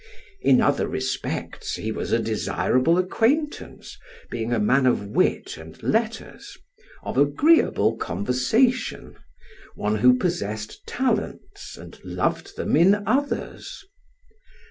In other respects he was a desirable acquaintance, being a man of wit and letters, of agreeable conversation, one who possessed talents and loved them in others.